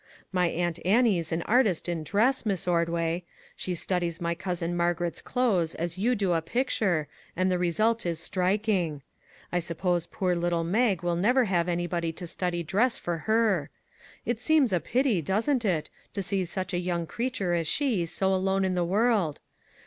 My Aunt Annie's an artist in dress, Miss Ordway; she studies my cousin Margaret's clothes as you do a picture, and the result is striking. I suppose poor little Mag will never have anybody to study dress for her. It seems a pity, doesn't it, to see such a young creature as she so alone in the world?